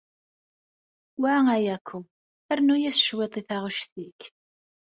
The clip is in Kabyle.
Wa Ayako, rnu-yas cwiṭ i taɣect-ik.